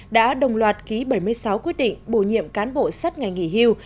đã đồng loạt ký bảy mươi sáu quyết định bổ nhiệm cán bộ sắt ngày nghỉ hưu